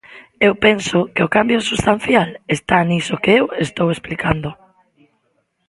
Eu penso que o cambio substancial está niso que eu estou explicando.